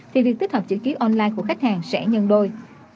thì việc tích hợp chữ ký online của khách hàng sẽ nhân đôi